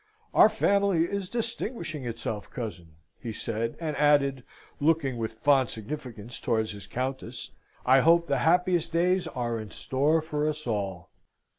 "Our family is distinguishing itself, cousin," he said; and added, looking with fond significance towards his Countess, "I hope the happiest days are in store for us all."